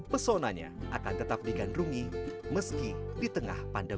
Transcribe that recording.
pesonanya akan tetap digandrungi meski di tengah pandemi